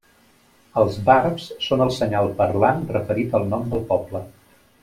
Els barbs són el senyal parlant referit al nom del poble.